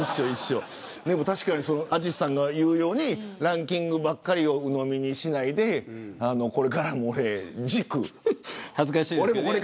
確かに、淳さんが言うようにランキングばっかりをうのみにしないで恥ずかしいですけどね。